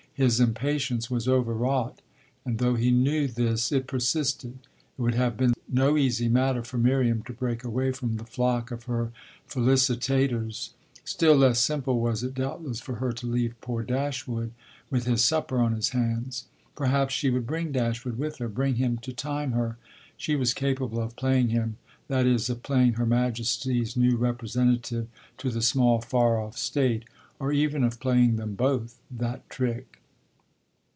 His impatience was overwrought, and though he knew this it persisted; it would have been no easy matter for Miriam to break away from the flock of her felicitators. Still less simple was it doubtless for her to leave poor Dashwood with his supper on his hands. Perhaps she would bring Dashwood with her, bring him to time her; she was capable of playing him that is, of playing Her Majesty's new representative to the small far off State, or even of playing them both that trick.